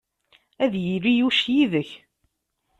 Ad yili Yuc yid-k!